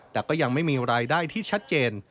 แต่ก็ยังไม่มีรายได้ที่ชัดเจน